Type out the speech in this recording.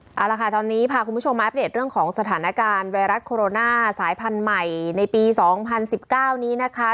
เอาละค่ะตอนนี้พาคุณผู้ชมมาอัปเดตเรื่องของสถานการณ์ไวรัสโคโรนาสายพันธุ์ใหม่ในปี๒๐๑๙นี้นะคะ